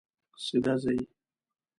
سیده ځئ